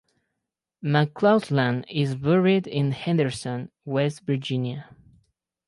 McCausland is buried in Henderson, West Virginia.